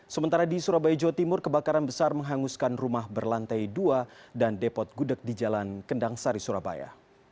sementara di surabaya jawa timur kebakaran besar menghanguskan rumah berlantai dua dan depot gudeg di jalan kendang sari surabaya